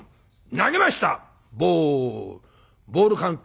投げました！